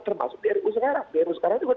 termasuk di ru sekarang di ru sekarang itu